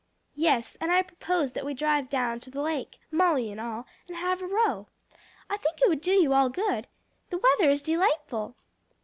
"Yes, and I propose that we drive down to the lake, Molly and all, and have a row. I think it would do you all good. The weather is delightful."